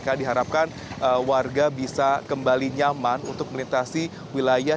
karena diharapkan warga bisa kembali nyaman untuk melintasi wilayah